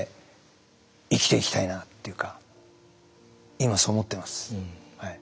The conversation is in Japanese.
今そう思ってます。